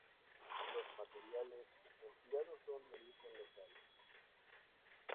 Los materiales empleados son de origen local.